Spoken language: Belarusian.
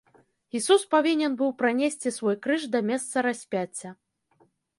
Ісус павінен быў пранесці свой крыж да месца распяцця.